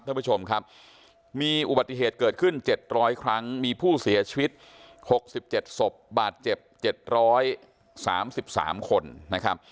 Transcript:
ท่านผู้ชมครับมีอุบัติเหตุเกิดขึ้น๗๐๐ครั้งมีผู้เสียชีวิต๖๗ศพบาดเจ็บ๗๓๓คนนะครับ